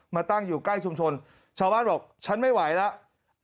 มาตั้งอยู่ใกล้ชุมชนชาวบ้านบอกฉันไม่ไหวแล้ว